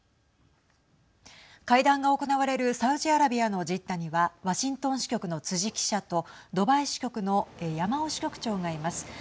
会談が行われるサウジアラビアのジッダにはワシントン支局の辻記者とドバイ支局の山尾支局長がいます。